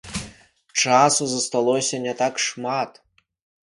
Часу засталося не так шмат.